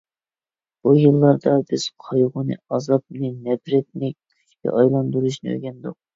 بۇ يىللاردا بىز قايغۇنى، ئازابنى، نەپرەتنى كۈچكە ئايلاندۇرۇشنى ئۆگەندۇق.